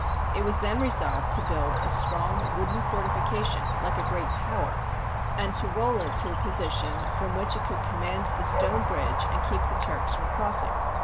It was then resolved to build a strong wooden fortification, like a great tower, and to roll it to a position from which it could command the stone bridge and keep the Turks from crossing.